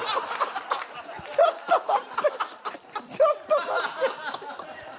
ちょっと待ってちょっと待って！